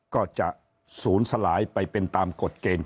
ก็จะสูญสลายไปเป็นตามกฎเกณฑ์ของคุณครับ